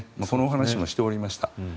このお話もしておりました。